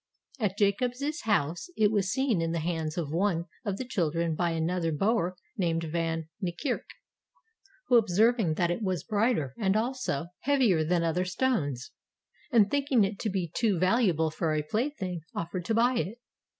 At Jacobs's house it was seen in the hands of one of the children by another Boer named Van Niekerk, who observing that it was brighter and also heavier than other stones, and thinking it to be too val uable for a plaything, offered to buy it.